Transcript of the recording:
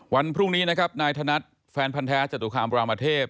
วันพรุ่งนี้นะครับนายธนัดแฟนพันธ์แท้จตุคามรามเทพ